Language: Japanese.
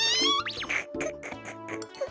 クククククク。